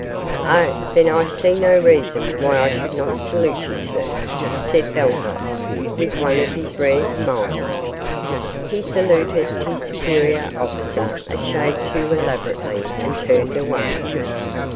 "Oh, then I see no reason why I should not salute you, sir," said Baldos, with one of his rare smiles. He saluted his superior officer a shade too elaborately and turned away.